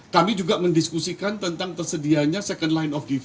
kami juga mendiskusikan tentang tersedianya second line of defen